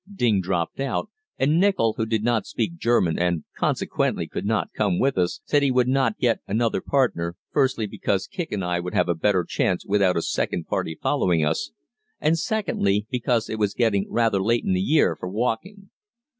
Ding dropped out; and Nichol, who did not speak German and consequently could not come with us, said he would not get another partner, firstly, because Kicq and I would have a better chance without a second party following us, and, secondly, because it was getting rather late in the year for walking.